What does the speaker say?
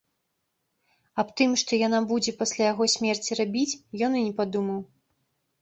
Аб тым, што яна будзе пасля яго смерці рабіць, ён і не падумаў.